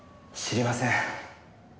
知りません。